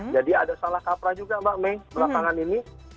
jadi ada salah kapra juga mbak may belakangan ini